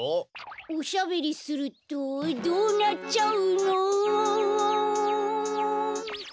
おしゃべりするとどうなっちゃうのおおおん。え？